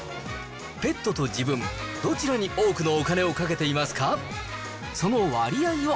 ペットと自分、どちらに多くのお金をかけていますか？